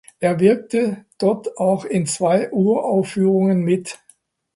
Er wirkte dort auch in zwei Uraufführungen mit.